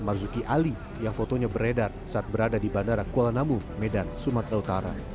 marzuki ali yang fotonya beredar saat berada di bandara kuala namu medan sumatera utara